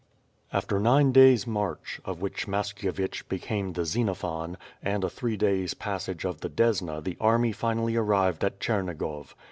After nine days' march, of which Mashkyevich becani6 the Xenophon, and a three days' passage of the Desna the army finally arrived at Chernigov.